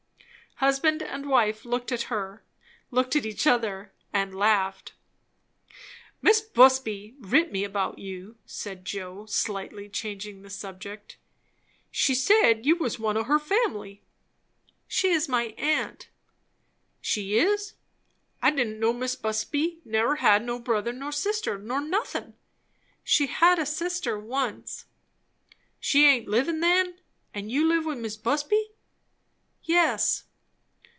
Husband and wife looked at her, looked at each other, and laughed. "Mis' Busby writ me about you," said Joe, slightly changing the subject. "She said, you was one o' her family." "She is my aunt." "She is! I didn't know Mis' Busby never had no brother, nor sister', nor nothin'." "She had a sister once." "She aint livin' then. And you live with Mis' Busby?" "Yes."